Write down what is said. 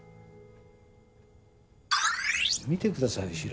見てください後ろ。